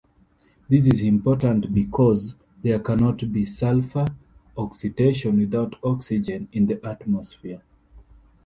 This is important because there cannot be sulfur oxidation without oxygen in the atmosphere.